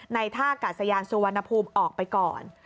ท่ากาศยานสุวรรณภูมิออกไปก่อน